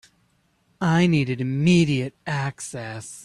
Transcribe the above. I needed immediate access.